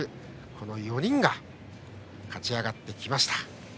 この４人が勝ち上がってきました。